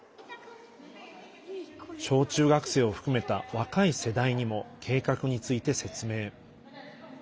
小中学生を含めた若い世代にも計画について説明。